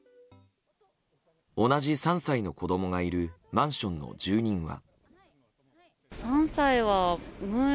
同じ３歳の子供がいるマンションの住人は。